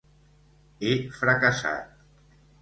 He fracassat.